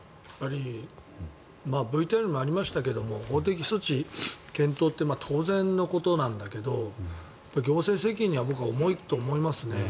ＶＴＲにもありましたけど法的措置検討って当然のことなんだけど行政責任は僕は重いと思いますね。